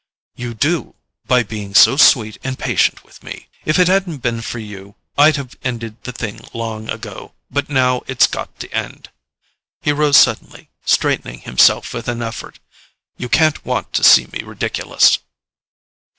"You do—by being so sweet and patient with me. If it hadn't been for you I'd have ended the thing long ago. But now it's got to end." He rose suddenly, straightening himself with an effort. "You can't want to see me ridiculous."